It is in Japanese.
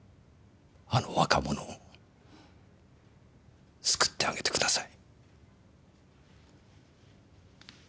あの若者を救ってあげてください。